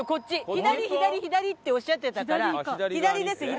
「左左左」っておっしゃってたから左です左。